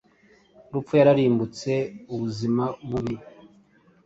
Urupfu yararimbutseUbuzima bubi-